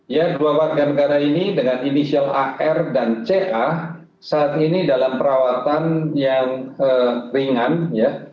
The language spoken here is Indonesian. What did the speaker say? ya dua warga negara ini dengan inisial ar dan ca saat ini dalam perawatan yang ringan ya